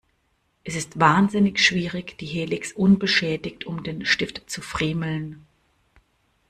Es ist wahnsinnig schwierig, die Helix unbeschädigt um den Stift zu friemeln.